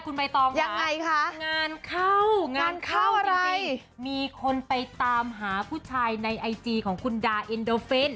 คุณใบตองยังไงคะงานเข้างานเข้าอะไรมีคนไปตามหาผู้ชายในไอจีของคุณดาเอ็นโดฟิน